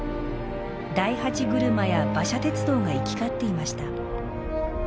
大八車や馬車鉄道が行き交っていました。